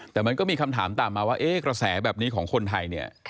แต่มันก็มีคำถามตามมาว่ากระแสแบบนี้ของคนไทยเนี่ย